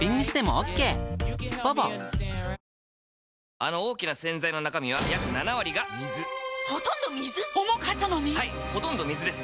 あの大きな洗剤の中身は約７割が水ほとんど水⁉重かったのに⁉はいほとんど水です